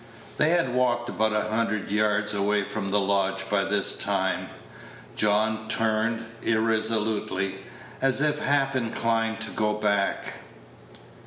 They had walked about a hundred yards away from the lodge by this time. John turned irresolutely, as if half inclined to go back.